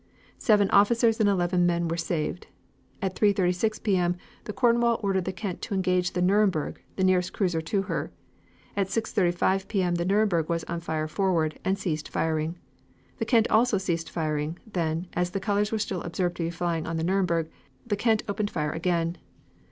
Seven officers and eleven men were saved. At 3.36 P. M. the Cornwall ordered the Kent to engage the Nuremburg, the nearest cruiser to her. At 6.35 P. M. the Nuremburg was on fire forward, and ceased firing. The Kent also ceased firing, then, as the colors were still observed to be flying on the Nuremburg, the Kent opened fire again.